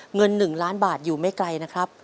เงิน๑ล้านบาทอยู่ไม่ไกลนะครับ